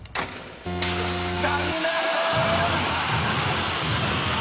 ［残念！］